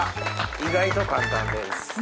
意外と簡単です。